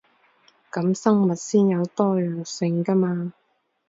噉生物先有多樣性 𠺢 嘛